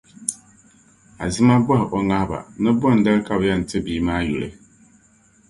Azima bɔhi o ŋahiba ni bɔndali ka bɛ yɛn ti bia maa yuli?